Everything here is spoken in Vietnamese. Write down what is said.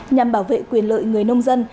nhằm bảo vệ quyền lợi người nông dân